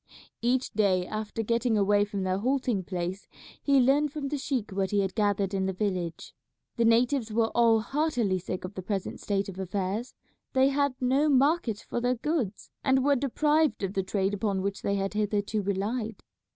Each day after getting away from their halting place he learned from the sheik what he had gathered in the village. The natives were all heartily sick of the present state of affairs. They had no market for their goods, and were deprived of the trade upon which they had hitherto relied.